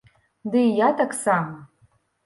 Ды і я таксама!